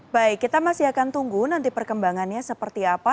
baik kita masih akan tunggu nanti perkembangannya seperti apa